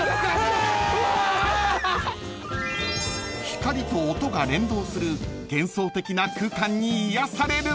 ［光と音が連動する幻想的な空間に癒やされる］